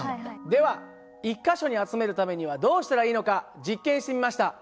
では１か所に集めるためにはどうしたらいいのか実験してみました。